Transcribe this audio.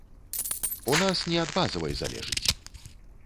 У нас не ад базавай залежыць.